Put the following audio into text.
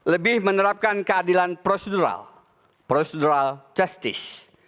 lebih menerapkan keadilan prosedural prosedural justice